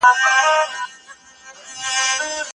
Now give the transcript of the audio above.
دروازه د باد له امله ټک شوه خو هغې فکر وکړ زوی یې دی.